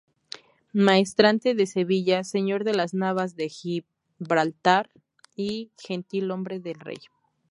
Maestrante de Sevilla, señor de las Navas de Gibraltar y gentilhombre del rey.